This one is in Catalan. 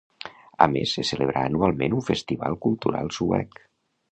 A més, se celebra anualment un festival cultural suec.